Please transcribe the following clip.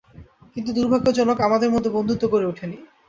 কিন্তু দুর্ভাগ্যজনক আমাদের মধ্যে বন্ধুত্ব গড়ে উঠেনি।